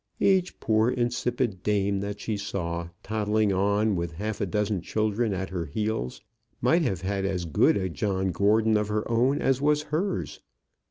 Each poor insipid dame that she saw, toddling on with half a dozen children at her heels, might have had as good a John Gordon of her own as was hers.